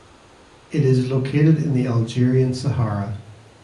It is located in the Algerian Sahara.